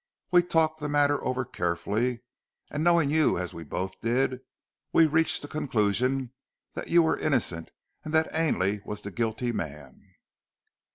We talked the matter over carefully, and knowing you as we both did, we reached the conclusion that you were innocent and that Ainley was the guilty man."